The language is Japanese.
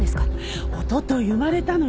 おととい生まれたのよ。